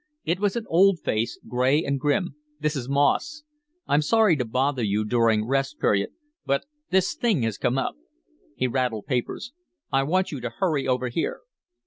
It was an old face, gray and grim. "This is Moss. I'm sorry to bother you during Rest Period, but this thing has come up." He rattled papers. "I want you to hurry over here."